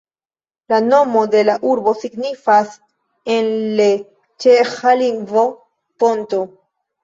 La nomo de la urbo signifas en le ĉeĥa lingvo "ponto".